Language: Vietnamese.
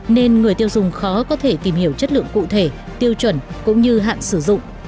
nên người tiêu dùng khó có thể tìm hiểu chất lượng cụ thể tiêu chuẩn cũng như hạn sử dụng